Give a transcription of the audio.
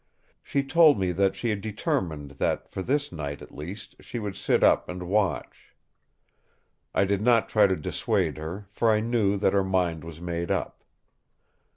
She told me that she had determined that for this night at least she would sit up and watch. I did not try to dissuade her, for I knew that her mind was made up.